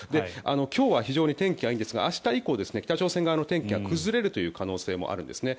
今日は非常に天気がいいんですが明日以降、北朝鮮側の天気が崩れるという可能性もあるんですね。